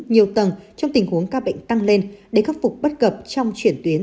nhiều tầng trong tình huống ca bệnh tăng lên để khắc phục bất cập trong chuyển tuyến